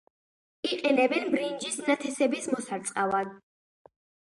იყენებენ ბრინჯის ნათესების მოსარწყავად.